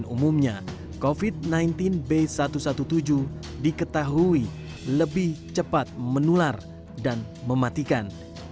umumnya covid sembilan belas b satu satu tujuh diketahui lebih cepat menular dan mematikan